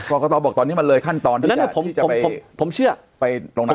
กอกตอบอกว่าตอนนี้มันเลยขั้นตอนที่จะไปตรงนั้น